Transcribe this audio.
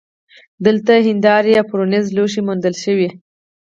دلته د شیشې او برونزو لوښي موندل شوي